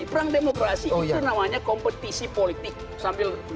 perang demokrasi itu namanya kompetisi politik sambil